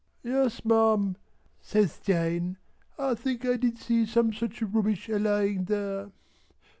"Yes Ma'am" says Jane, "I think I did see some such rubbish a lying there."